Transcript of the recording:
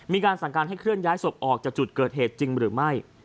มีการสั่งการให้เคลื่อย้ายศพออกจากจุดเกิดเหตุจริงหรือไม่